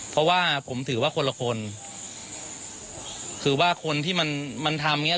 เพราะว่าผมถือว่าคนละคนคือว่าคนที่มันมันทำอย่างเงี้